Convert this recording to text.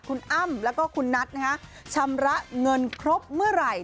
คุณอ้ำแล้วก็คุณนัทชำระเงินครบเมื่อไหร่